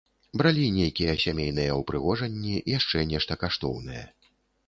Бралі нейкія сямейныя ўпрыгожанні, яшчэ нешта каштоўнае.